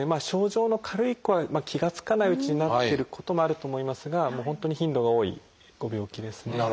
症状の軽い子は気が付かないうちになってることもあると思いますが本当に頻度が多いご病気ですね。